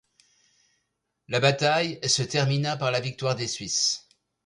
La bataille se termina par la victoire des Suisses.